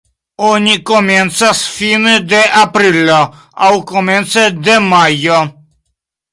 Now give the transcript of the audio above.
Oni komencas fine de aprilo aŭ komence de majo.